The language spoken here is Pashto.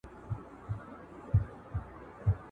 په څو ځله لوستلو یې په معنا نه پوهېږم